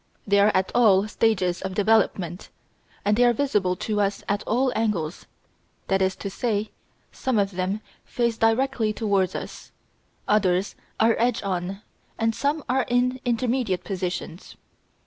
They are at all stages of development, and they are visible to us at all angles that is to say, some of them face directly towards us, others are edge on, and some are in intermediate positions.